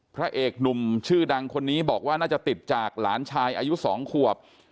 พระเอกหนุ่มชื่อดังคนนี้บอกว่าน่าจะติดจากหลานชายอายุ๒ขวบ